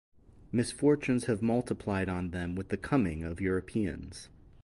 Misfortunes have multiplied on them with the coming of Europeans.